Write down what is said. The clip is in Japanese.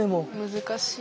難しい。